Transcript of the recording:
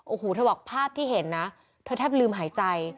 โอ้โหเธอบอกภาพที่เห็นนะเธอแทบลืมหายใจ